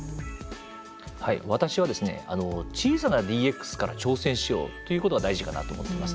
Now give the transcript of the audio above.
私は小さなＤＸから挑戦しようということが大事かなと思います。